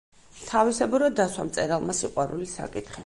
თავისებურად დასვა მწერალმა სიყვარულის საკითხი.